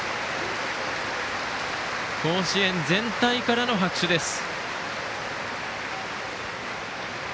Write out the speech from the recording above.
甲子園全体からの拍手です。